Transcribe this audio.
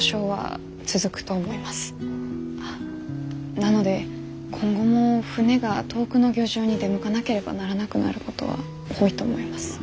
なので今後も船が遠くの漁場に出向かなければならなくなることは多いと思います。